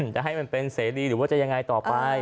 จะให้มันเป็นเสรีหรือว่าจะยังไงต่อไป